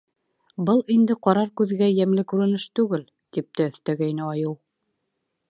Был инде ҡарар күҙгә йәмле күренеш түгел, — тип тә өҫтәгәйне айыу.